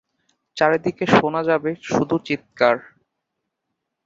চারিদিকে শোনা যাবে শুধু চিৎকার।